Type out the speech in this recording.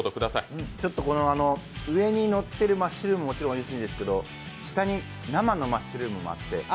上にのってるマッシュルームももちろんおいしいんですけど下に生のマッシュルームもあって。